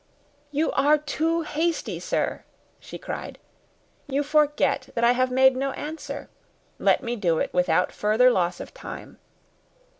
"You are too hasty, sir," she cried. "You forget that I have made no answer. Let me do it without further loss of time.